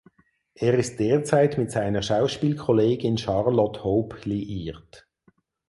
Er ist derzeit mit seiner Schauspielkollegin Charlotte Hope liiert.